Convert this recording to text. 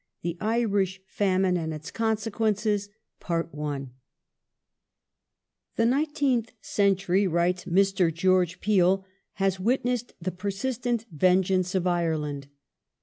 THE IRISH FAMINE AND ITS CONSEQUENCES (1846 1862) T 'HE nineteenth century," wi ites Mr. George Peel, " has witnessed the persistent vengeance of Ireland.